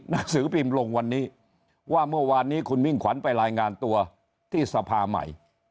หนังสือพิมพ์ลงวันนี้ว่าเมื่อวานนี้คุณมิ่งขวัญไปรายงานตัวที่สภาใหม่